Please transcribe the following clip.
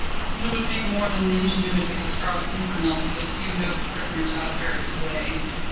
But it would take more than the ingenuity of the Scarlet Pimpernel to get two noted prisoners out of Paris to day.